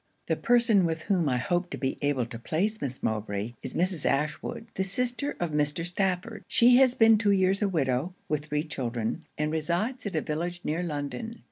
'The person with whom I hope to be able to place Miss Mowbray is Mrs. Ashwood, the sister of Mr. Stafford. She has been two years a widow, with three children, and resides at a village near London.